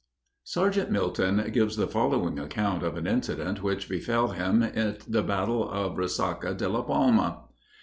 Sergeant Milton gives the following account of an incident which befel him at the Battle of Resaca de la Palma.